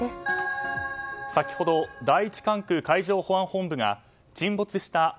先ほど第１管区海上保安本部が沈没した「ＫＡＺＵ１」